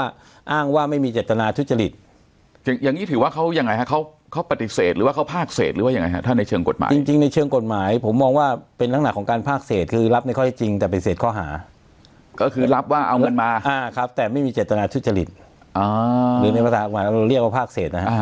อ้างว่าไม่มีเจตนาทุจริตอย่างงี้ถือว่าเขายังไงฮะเขาเขาปฏิเสธหรือว่าเขาพากเศษหรือว่ายังไงฮะถ้าในเชิงกฎหมายจริงในเชิงกฎหมายผมมองว่าเป็นลักษณะของการภาคเศษคือรับในข้อได้จริงแต่ปฏิเสธข้อหาก็คือรับว่าเอาเงินมาครับแต่ไม่มีเจตนาทุจริตหรือในภาษากฎหมายเราเรียกว่าภาคเศษนะฮะ